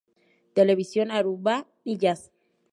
Televisión "Aruba y Jazz".